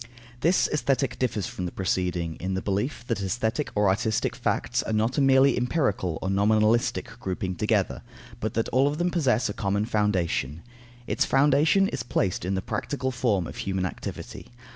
This Aesthetic differs from the preceding, in the belief that aesthetic or artistic facts are not a merely empirical or nominalistic grouping together, but that all of them possess a common foundation. Its foundation is placed in the practical form of human activity.